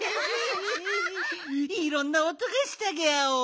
いろんなおとがしたギャオ。